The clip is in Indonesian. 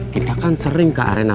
kita kan sering ke arena